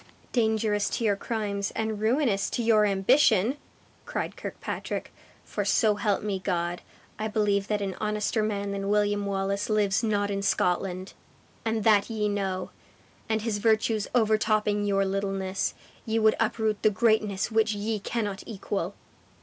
"Dangerous to your crimes, and ruinous to your ambition!" cried Kirkpatrick; "for so help me God, I believe that an honester man than William Wallace lives not in Scotland! And that ye know, and his virtues overtopping your littleness, ye would uproot the greatness which ye cannot equal."